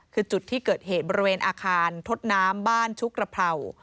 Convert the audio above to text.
คือจุดที่เกิดเหตุบริเวณอาคารทดน้ำบ้านชุกระเผา